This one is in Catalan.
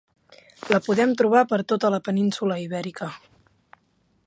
La podem trobar per tota la península Ibèrica.